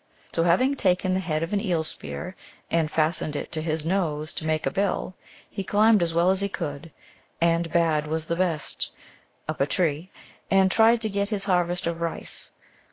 So having taken the head of an eel spear and fastened it to his nose to make a bill, he climbed as well as he could and bad was the best up a tree, and tried to get his harvest of rice.